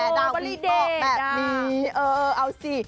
แล้วไงใครแคร์ดาวิตอกแบบนี้เออเออเอาสิ